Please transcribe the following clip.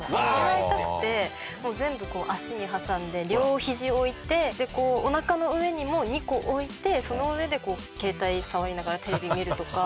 もう全部足に挟んで両ひじ置いてでこうおなかの上にも２個置いてその上で携帯触りながらテレビ見るとか。